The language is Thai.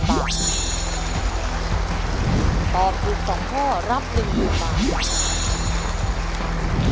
ตอบถูก๒ข้อรับ๑๐๐๐บาท